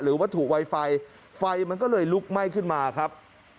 วัตถุไวไฟไฟมันก็เลยลุกไหม้ขึ้นมาครับ